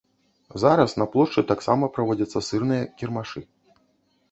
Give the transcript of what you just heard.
Зараз на плошчы таксама праводзяцца сырныя кірмашы.